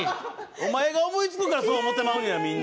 おまえが思いつくから、そう思ってまうんや、みんな。